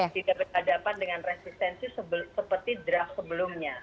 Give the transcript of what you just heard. tidak berhadapan dengan resistensi seperti draft sebelumnya